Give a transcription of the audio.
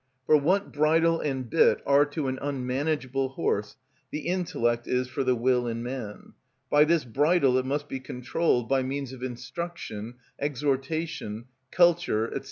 For what bridle and bit are to an unmanageable horse the intellect is for the will in man; by this bridle it must be controlled by means of instruction, exhortation, culture, &c.